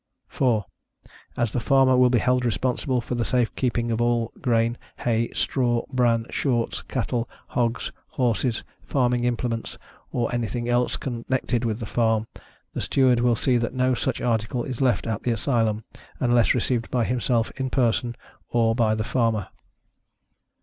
4. As the Farmer will be held responsible for the safe keeping of all grain, hay, straw, bran, shorts, cattle, hogs, horses, farming implements, or anything else connected with the farm, the Steward will see that no such article is left at the Asylum, unless received by himself in person, or by the Farmer.